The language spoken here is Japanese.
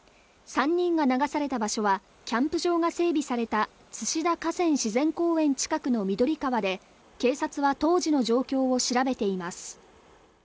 ３人が流された場所はキャンプ場が整備された津志田河川自然公園で近くの緑川で警察は当時の状況を調べています